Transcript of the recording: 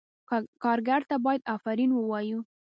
کارګر ته باید آفرین ووایو.